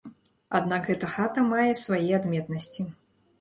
Аднак гэта хата мае свае адметнасці.